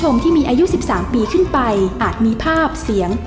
แล้วคุณน่ะโหลดยัง